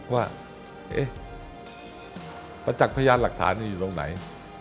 ว่าประจักษ์พยานหลักฐานอยู่ตรงไหน